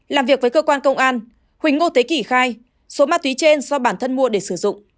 làm việc với cơ quan công an huỳnh ngô tế kỳ khai số ma túy trên do bản thân mua để sử dụng